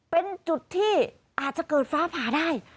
เป็นจุดที่อาจจะเกิดฟ้าผ่าได้